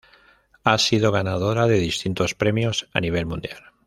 Ha sido ganadora de distintos premios a nivel mundial.